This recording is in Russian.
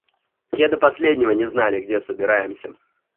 Те до последнего не знали, где собираемся.